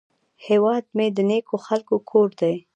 هیواد مې د نیکو خلکو کور دی